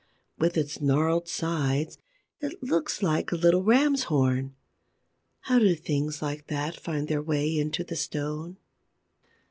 With its gnarled sides, it looks like a little ram's horn. How do things like that find their way into the stone?